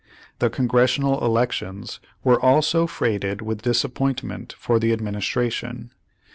The Congressional elections were also freighted with disappointment for the administration.